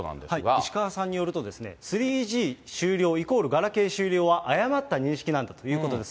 石川さんによると、３Ｇ終了イコールガラケー終了は誤った認識なんだということです。